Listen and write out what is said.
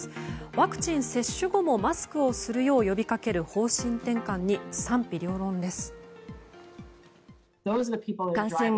ワクチン接種後もマスクをするよう呼び掛ける方針転換に賛否両論です。